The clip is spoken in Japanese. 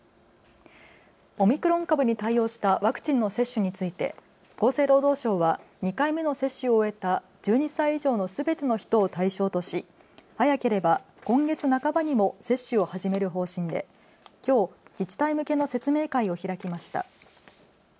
オミクロン株に対応したワクチンの接種について厚生労働省は２回目の接種を終えた１２歳以上のすべての人を対象とし早ければ今月半ばにも接種を始める方針できょう自治体向けの説明会を開きました。